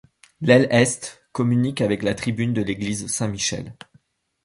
L'aile est communique avec la tribune de l'église Saint-Michel.